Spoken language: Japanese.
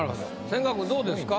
千賀君どうですか？